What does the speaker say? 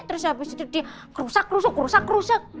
terus abis itu dia kerusak kerusak